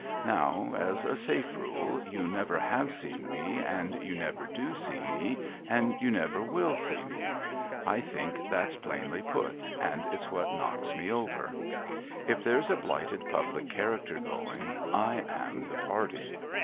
Now, as a safe rule, you never have seen me, and you never do see me, and you never will see me. I think that's plainly put — and it's what knocks me over. If there's a blighted public character going, I am the party.